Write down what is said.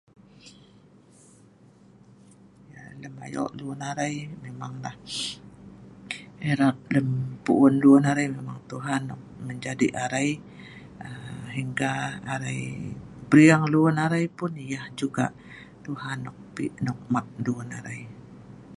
Lem ayo' luen arai memang la. Erat lem pu'un luen arai Tuan nok menjadi arai hingga arai brieng luen arai pun ieh juga Tuhan nok mat luen arai.